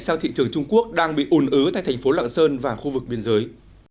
sang thị trường trung quốc đang bị ồn ớ tại thành phố lạng sơn và khu vực biên giới